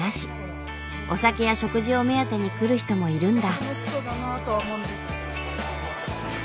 お酒や食事を目当てに来る人もいるんだ。